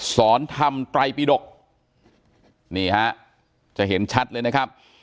สอนธรรมไตรปิดกนี่ฮะจะเห็นชัดเลยนะครับ